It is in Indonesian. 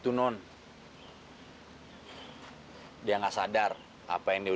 udah konon itu doang